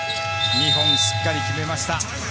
２本しっかり決めました。